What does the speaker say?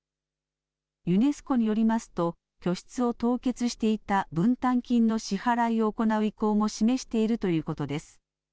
ユネスコによりますと拠出を凍結していた分担金の支払いを行う意向も示しているということです。